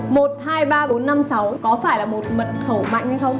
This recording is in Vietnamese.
một hai ba bốn năm sáu có phải là một mật khẩu mạnh hay không